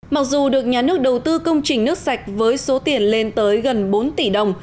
mặc dù được nhà nước đầu tư công trình nước sạch với số tiền lên tới gần bốn tỷ đồng